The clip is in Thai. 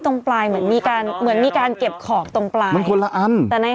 ตรงปลายเหมือนมีการเหมือนมีการเก็บของตรงปลายมันคนละอันแต่ใน